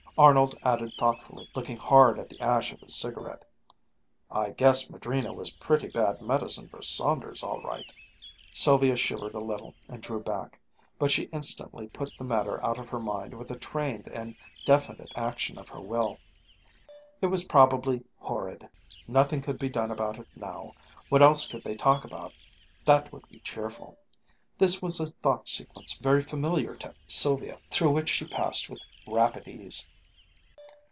Arnold added thoughtfully, looking hard at the ash of his cigarette, "I guess Madrina was pretty bad medicine for Saunders, all right." Sylvia shivered a little and drew back, but she instantly put the matter out of her mind with a trained and definite action of her will. It was probably "horrid"; nothing could be done about it now; what else could they talk about that would be cheerful? This was a thought sequence very familiar to Sylvia, through which she passed with rapid ease.